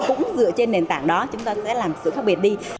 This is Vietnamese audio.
chúng ta không dựa trên nền tảng đó chúng ta sẽ làm sự khác biệt đi